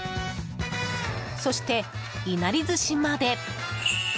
そして、いなり寿司まで。